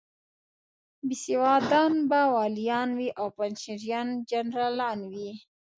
بېسوادان به والیان وي او پنجشیریان جنرالان وي.